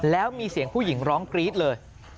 แล้วมีเสียงผู้หญิงร้องกรี๊ดเลย